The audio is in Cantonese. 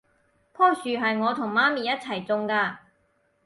樖樹係我同媽咪一齊種㗎